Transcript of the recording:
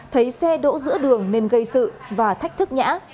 thấy xe đỗ giữa đường nên gây sự và thách thức nhã